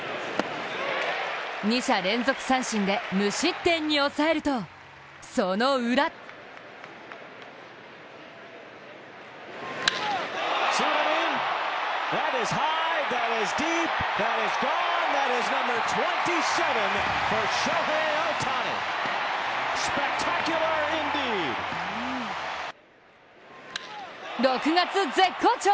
２者連続三振で２失点に抑えるとそのウラ６月絶好調！